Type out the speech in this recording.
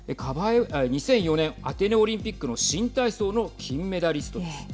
２００４年、アテネオリンピックの新体操の金メダリストです。